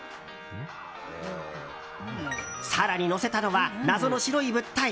更にのせたのは謎の白い物体。